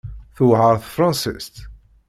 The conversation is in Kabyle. Tewɛer tefransist?